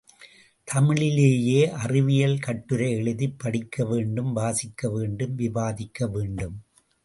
தமிழிலேயே அறிவியல் கட்டுரை எழுதிப் படிக்கவேண்டும் வாசிக்கவேண்டும் விவாதிக்க வேண்டும்.